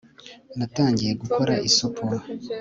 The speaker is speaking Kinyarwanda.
Natangiye gukora isupu